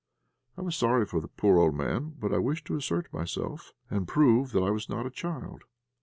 I was sorry for the poor old man, but I wished to assert myself, and prove that I was not a child.